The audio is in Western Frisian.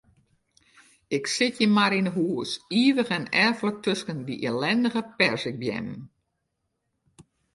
Ik sit hjir mar yn 'e hûs, ivich en erflik tusken dy ellindige perzikbeammen.